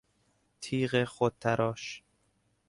تیغ خودتراش